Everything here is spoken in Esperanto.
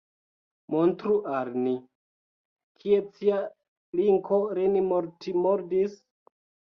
Montru al ni, kie cia linko lin mortmordis?!